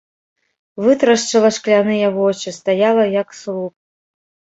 Вытрашчыла шкляныя вочы, стаяла як слуп.